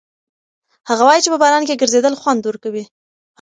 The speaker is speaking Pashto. هغه وایي چې په باران کې ګرځېدل خوند ورکوي.